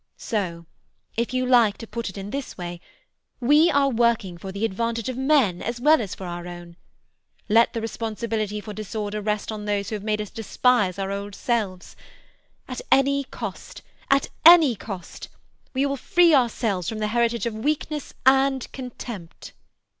So, if you like to put it in this way, we are working for the advantage of men as well as for our own. Let the responsibility for disorder rest on those who have made us despise our old selves. At any cost—at any cost—we will free ourselves from the heritage of weakness and contempt!"